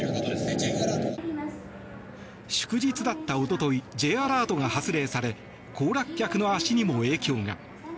祝日だった一昨日Ｊアラートが発令され行楽客の足にも影響が。